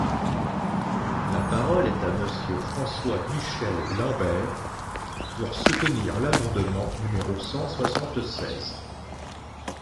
La parole est à Monsieur François-Michel Lambert, pour soutenir l’amendement numéro cent soixante-seize.